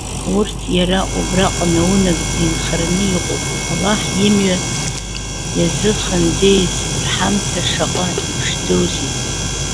Урҭ иара убраҟа наунагӡа инхараны иҟоуп. Аллаҳ имҩа иазыхандеиз рҳамҭа шаҟа иԥшӡоузеи!